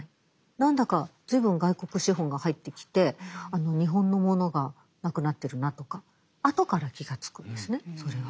何だか随分外国資本が入ってきて日本のものがなくなってるなとか後から気がつくんですねそれは。